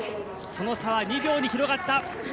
その差は２秒に広がった。